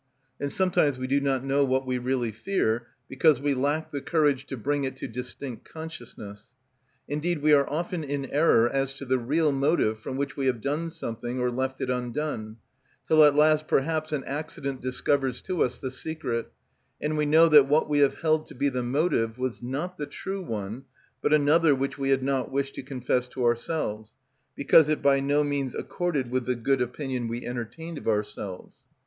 And sometimes we do not know what we really fear, because we lack the courage to bring it to distinct consciousness. Indeed we are often in error as to the real motive from which we have done something or left it undone, till at last perhaps an accident discovers to us the secret, and we know that what we have held to be the motive was not the true one, but another which we had not wished to confess to ourselves, because it by no means accorded with the good opinion we entertained of ourselves.